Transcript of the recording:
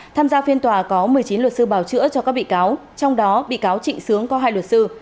tham gia phiên tòa có một mươi chín luật sư bảo chữa cho các bị cáo trong đó bị cáo trịnh sướng có hai luật sư